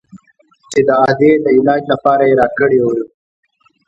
چې د ادې د علاج لپاره يې راكړى و.